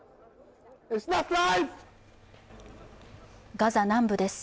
ガザ南部です。